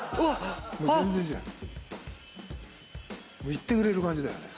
いってくれる感じだよね。